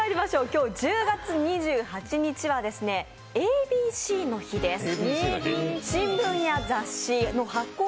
今日１０月２８日はＡＢＣの日です。